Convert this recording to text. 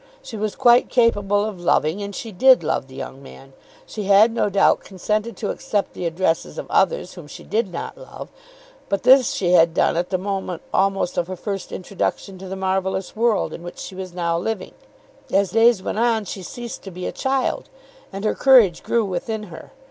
She was quite capable of loving, and she did love the young man. She had, no doubt, consented to accept the addresses of others whom she did not love, but this she had done at the moment almost of her first introduction to the marvellous world in which she was now living. As days went on she ceased to be a child, and her courage grew within her.